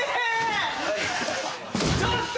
ちょっと！